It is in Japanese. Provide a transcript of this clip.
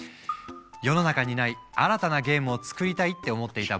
世の中にない新たなゲームを作りたいって思っていた